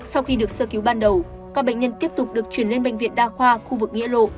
sau khi được sơ cứu ban đầu các bệnh nhân tiếp tục được chuyển lên bệnh viện đa khoa khu vực nghĩa lộ